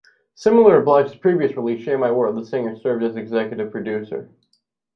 Similar to Blige's previous release "Share My World", the singer served as executive producer.